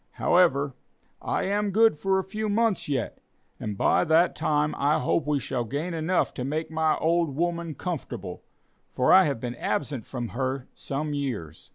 However, I am good for a few months yet, and by that time I hope we shall gain enough to make my old woman comfortable, for I have been absent from her some years."